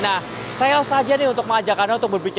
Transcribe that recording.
nah saya langsung saja nih untuk mengajak anda untuk berbicara